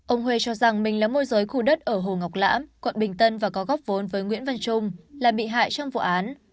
ông huê cho rằng mình là môi giới khu đất ở hồ ngọc lãm quận bình tân và có góp vốn với nguyễn văn trung là bị hại trong vụ án